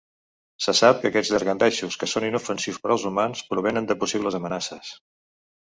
Se sap que aquests llangardaixos, que són inofensius per als humans, provenen de possibles amenaces.